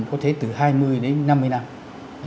có thể từ hai mươi đến năm mươi năm